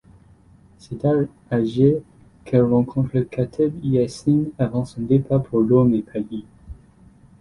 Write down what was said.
C'est à Alger qu'elle rencontre Kateb Yacine avant son départ pour Rome et Paris.